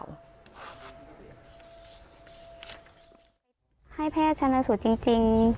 ให้แพทย์ชำนาศุดจริง